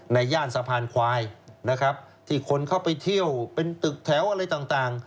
ย่านสะพานควายนะครับที่คนเข้าไปเที่ยวเป็นตึกแถวอะไรต่าง